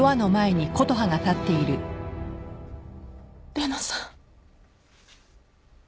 玲奈さん。